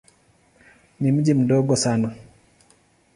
Ni mji mdogo sana.